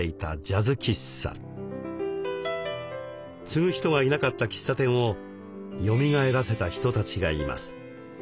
継ぐ人がいなかった喫茶店をよみがえらせた人たちがいます。